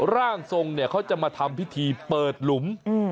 ร่างทรงเนี่ยเขาจะมาทำพิธีเปิดหลุม